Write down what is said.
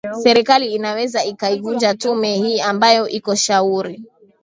serikali inaweza ikaivunja tume hii ambayo iko shauri